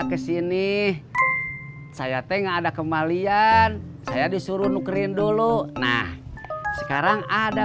kesini saya tengah ada kembalian saya disuruh nukerin dulu nah sekarang ada